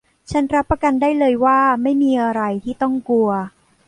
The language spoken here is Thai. ฉันรับประกันได้เลยว่าไม่มีอะไรที่ต้องกลัว